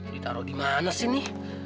ditaruh di mana sih ini